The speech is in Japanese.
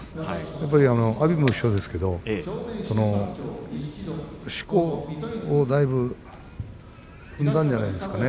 やっぱり阿炎も一緒ですがしこをだいぶやったんじゃないですかね。